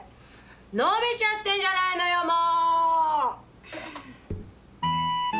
のびちゃってんじゃないのよもう！